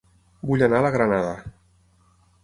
Vull anar a La Granada